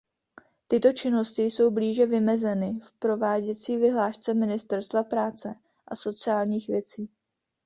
Tyto činnosti jsou blíže vymezeny v prováděcí vyhlášce Ministerstva práce a sociálních věcí.